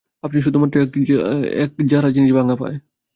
আপনি শুধুমাত্র এক যারা জিনিস ভাঙ্গা পায়?